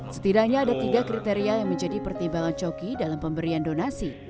setidaknya ada tiga kriteria yang menjadi pertimbangan coki dalam pemberian donasi